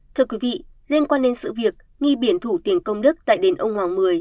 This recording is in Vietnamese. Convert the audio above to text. thưa quý vị liên quan đến sự việc nghi biển thủ tiền công đức tại đền ông hoàng mười